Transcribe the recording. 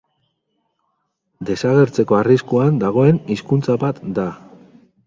Desagertzeko arriskuan dagoen hizkuntza bat da.